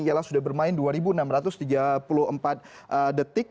ialah sudah bermain dua enam ratus tiga puluh empat detik